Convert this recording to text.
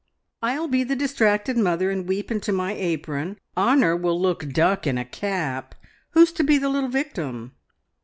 "I'll be the distracted mother, and weep into my apron. Honor will look a duck in a cap. Who's to be the little victim?"